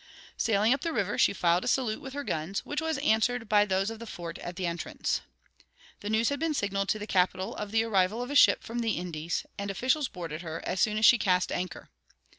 Sailing up the river, she fired a salute with her guns, which was answered by those of the fort at the entrance. The news had been signaled to the capital of the arrival of a ship from the Indies, and officials boarded her, as soon as she cast anchor.